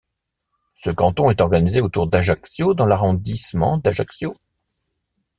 Ce canton est organisé autour d'Ajaccio dans l'arrondissement d'Ajaccio.